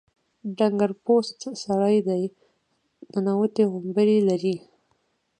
ډنګر چوست سړی دی ننوتي غومبري لري.